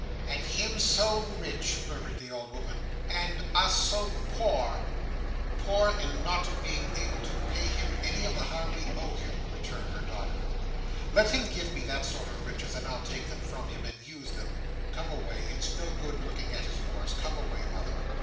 "And him so rich?" murmured the old woman. "And us so poor!" "Poor in not being able to pay him any of the harm we owe him," returned her daughter. "Let him give me that sort of riches, and I'll take them from him, and use them. Come away. Its no good looking at his horse. Come away, mother!"